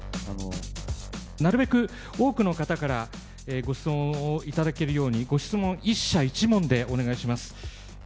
なるべく多くの方からご質問を頂けるように、ご質問１社１問でお願いします。